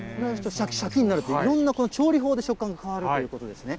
しゃきしゃきになるという、いろんな調理法で食感が変わるということですね。